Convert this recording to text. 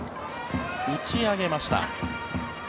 打ち上げました。